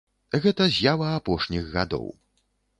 Гэта з'ява апошніх гадоў.